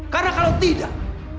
karena kalau tidak